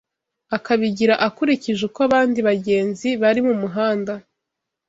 akabigira akulikije uko abandi bagenzi bari mu muhanda